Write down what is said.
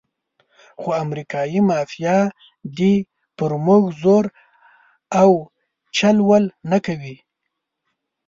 خو امریکایي مافیا دې پر موږ زور او چل ول نه کوي.